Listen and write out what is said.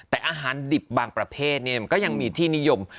แต่อาหารดิบบางประเภทมันก็ยังมีที่นิยม